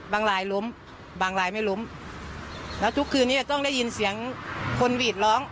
ลายล้มบางลายไม่ล้มแล้วทุกคืนนี้จะต้องได้ยินเสียงคนหวีดร้อง